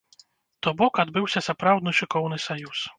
То бок адбыўся сапраўды шыкоўны саюз.